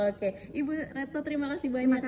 oke ibu retno terima kasih banyak